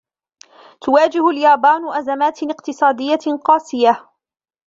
تواجه اليابان أزمات اقتصادية قاسية.